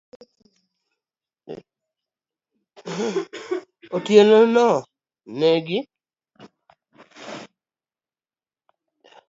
Otieno no negi.